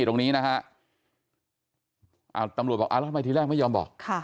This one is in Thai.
ตรงนี้นะฮะตำรวจบอกแล้วทำไมทีแรกไม่ยอมบอก